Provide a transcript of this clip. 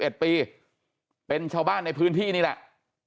เป็นชาวบ้านในพื้นที่นี่แหละ